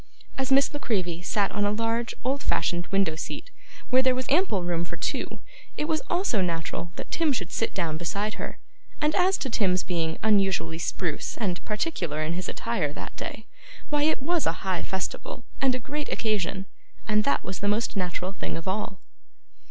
As Miss La Creevy sat on a large old fashioned window seat, where there was ample room for two, it was also natural that Tim should sit down beside her; and as to Tim's being unusually spruce and particular in his attire that day, why it was a high festival and a great occasion, and that was the most natural thing of all.